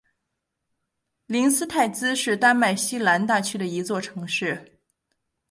灵斯泰兹是丹麦西兰大区的一座城市。